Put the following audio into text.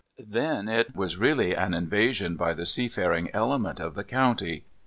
Then it was really an invasion by the seafaring element of the County.